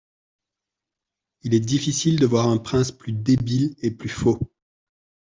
Il est difficile de voir un prince plus débile et plus faux.